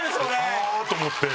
あぁ！と思って。